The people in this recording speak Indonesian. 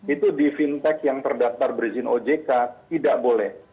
itu di fintech yang terdaftar berizin ojk tidak boleh